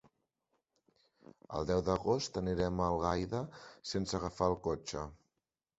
El deu d'agost anirem a Algaida sense agafar el cotxe.